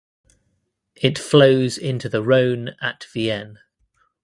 It flows into the Rhone at Vienne.